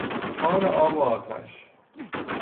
کار آب وآتش